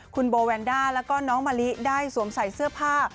คุณโบแวนด้าแล้วก็น้องมะลิได้สวมใส่เสื้อผ้า